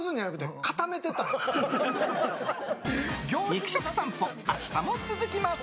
肉食さんぽ、明日も続きます。